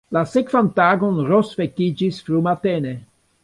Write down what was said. La sekvan tagon Ros vekiĝis frumatene.